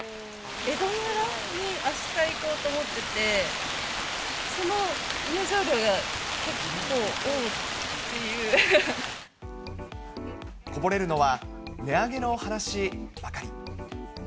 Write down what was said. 江戸村にあした行こうと思ってて、その入場料が、こぼれるのは、値上げの話ばかり。